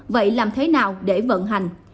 vậy làm thế nào để vận hành